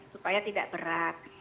supaya tidak berat